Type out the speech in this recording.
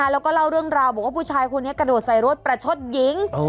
แล้วก็เล่าเรื่องราวบอกว่าผู้ชายคนนี้กระโดดใส่รถประชดหญิง